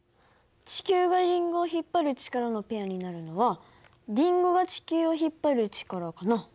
地球がリンゴを引っ張る力のペアになるのはリンゴが地球を引っ張る力かな。